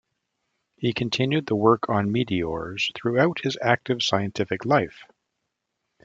He continued the work on meteors throughout his active scientific life.